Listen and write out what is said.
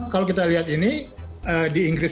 kalau kita lihat ini di inggris